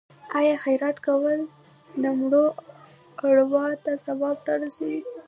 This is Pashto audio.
آیا خیرات کول د مړو ارواو ته ثواب نه رسوي؟